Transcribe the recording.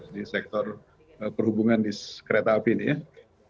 di sektor perhubungan di kereta api ini ya